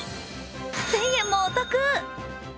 １０００円もお得！